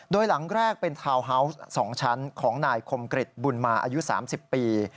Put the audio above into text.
โดยหลังแรกเป็นทาวน์ฮาวส์๒ชั้นของนายคมกริจบุญมาอายุ๓๐ปี